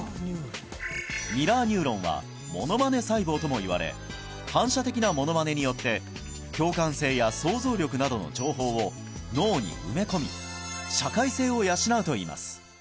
ミラーニューロンはものまね細胞ともいわれ反射的なものまねによって共感性や想像力などの情報を脳に埋め込み社会性を養うといいます